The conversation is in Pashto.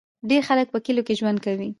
ډیری خلک په کلیو کې ژوند کوي.